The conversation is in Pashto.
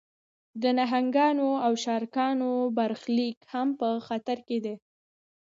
د نهنګانو او شارکانو برخلیک هم په خطر کې دی.